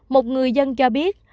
một người dân cho biết